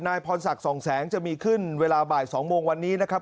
พรศักดิ์สองแสงจะมีขึ้นเวลาบ่าย๒โมงวันนี้นะครับ